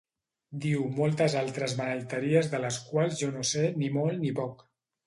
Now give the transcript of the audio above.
Diu moltes altres beneiterïes de les quals jo no sé ni molt ni poc.